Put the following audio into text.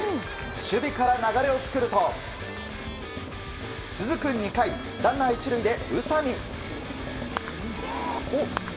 守備から流れを作ると続く２回、ランナー１塁で宇佐見。